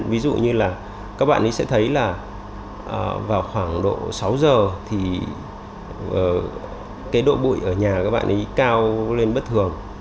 ví dụ như là các bạn sẽ thấy là vào khoảng độ sáu giờ độ bụi ở nhà các bạn cao lên bất thường